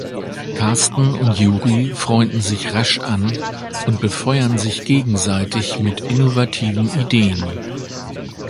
Carsten und Juri freunden sich rasch an und befeuern sich gegenseitig mit innovativen Ideen.